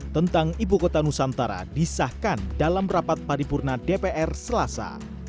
tentang ibu kota nusantara disahkan dalam rapat paripurna dpr selasa